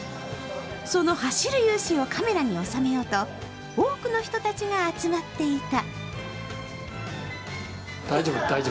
その走る雄姿をカメラに収めようと多くの人たちが集まっていた。